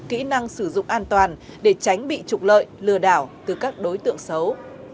kỹ năng sử dụng an toàn để tránh bị trục lợi lừa đảo từ các đối tượng xấu